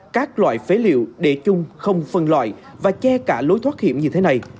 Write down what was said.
các loại phế liệu để chung không phân loại và che cả lối thoát hiểm như thế này